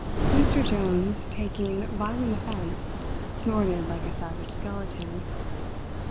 Mr Jones, taking violent offence, snorted like a savage skeleton.